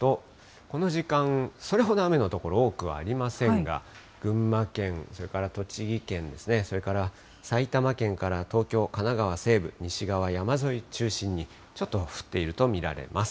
この時間、それほど雨の所、多くはありませんが、群馬県、それから栃木県、それから埼玉県から東京、神奈川西部、西側、山沿い中心に、ちょっと降っていると見られます。